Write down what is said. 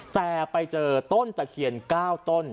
แต่ไปเจอต้นตะเคียน๙ต้น